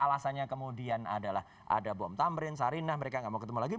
alasannya kemudian adalah ada bom tamrin sarinah mereka nggak mau ketemu lagi